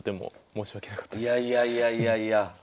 いやいやいやいや。